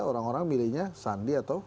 orang orang milihnya sandi atau